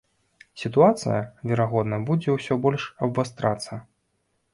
Сітуацыя, верагодна, будзе ўсё больш абвастрацца.